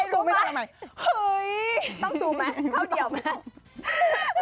ต้องซูมมั๊ะฮันต้องอีก